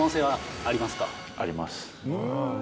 あります。